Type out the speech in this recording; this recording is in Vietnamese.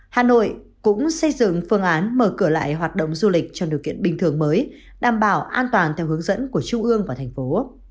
hà nội cũng xây dựng phương án mở cửa lại hoạt động du lịch trong điều kiện bình thường mới đảm bảo an toàn theo hướng dẫn của trung ương và thành phố